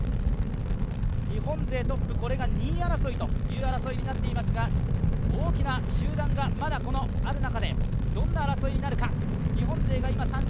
日本勢トップ２位争いという争いになっていますが大きな集団がまだある中でどんな争いになるか、日本勢が今、３人。